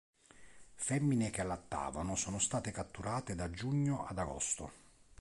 Femmine che allattavano sono state catturate da giugno ad agosto.